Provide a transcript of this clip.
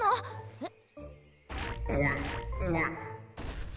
えっ？